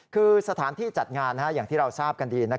คือสถานที่จัดงานอย่างที่เราทราบกันดี